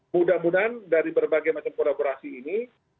mudah mudahan dari berbagai macam kolaborasi ini